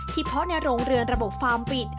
เพราะในโรงเรือนระบบฟาร์มปิด